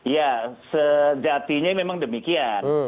ya sejatinya memang demikian